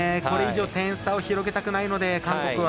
これ以上点差を広げたくないので。